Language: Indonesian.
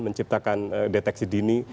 menciptakan deteksi dini